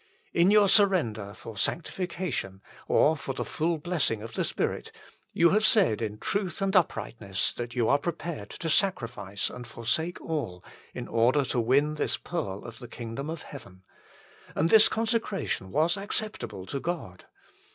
In your surrender for sanctification, or for the full blessing of the Spirit, you have said in truth and uprightness that you are prepared to sacrifice and forsake all in order to win this pearl of the kingdom of heaven ; and this con secration was acceptable to God.